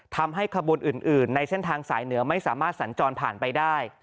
ทำให้ขบวนอื่นในเส้นทางสายเหนือไม่สามารถสัญจรผ่านไปได้